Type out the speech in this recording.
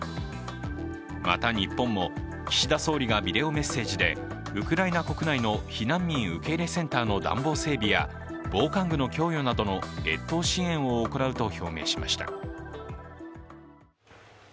また、日本も岸田総理がビデオメッセージでウクライナ国内の避難民受け入れセンターの暖房整備や防寒具の供与などの越冬支援を行うと表明しました。